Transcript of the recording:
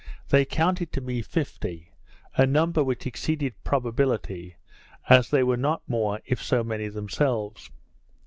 They counted to me fifty; a number which exceeded probability, as they were not more, if so many, themselves.